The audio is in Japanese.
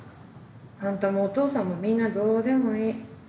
あんたもお父さんもみんなどうでもいい。